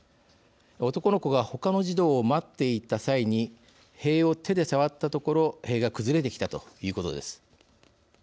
男の子が他の児童を待っていた際に塀を手で触ったところ塀が崩れてきたということです。